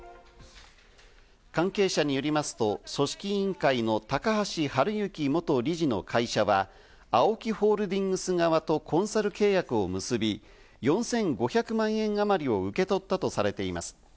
関係者によりますと、組織委員会の高橋治之元理事の会社はＡＯＫＩホールディングス側とコンサル契約を結び、４５００万円あまりを受け取ったとされています。